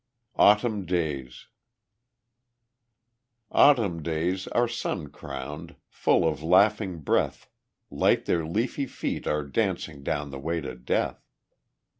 Autumn Days Autumn days are sun crowned, Full of laughing breath; Light their leafy feet are dancing Down the way to death.